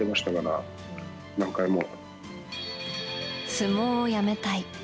相撲をやめたい。